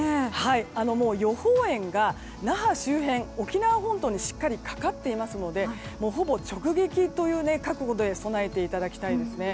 予報円が那覇周辺、沖縄本島にしっかりかかっていますのでほぼ直撃という覚悟で備えていただきたいですね。